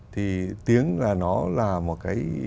thì tiếng là nó là một cái